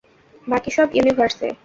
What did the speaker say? বাকি সব ইউনিভার্সে।